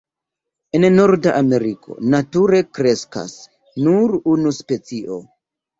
En Norda Ameriko nature kreskas nur unu specio.